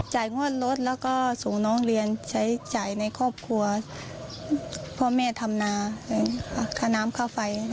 จ่ายงวดรถแล้วก็ส่งน้องเรียนจ่ายในครอบครัวพ่อแม่ธรรมนาขนามค่าไฟ